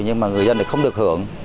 nhưng mà người dân không được hưởng